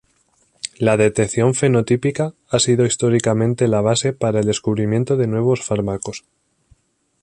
La detección fenotípica ha sido históricamente la base para el descubrimiento de nuevos fármacos.